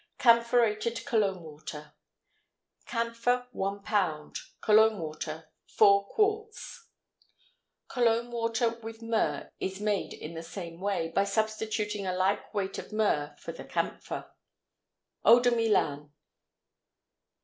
CAMPHORATED COLOGNE WATER. Camphor 1 lb. Cologne water 4 qts. Cologne water with myrrh is made in the same way, by substituting a like weight of myrrh for the camphor. EAU DE MILAN.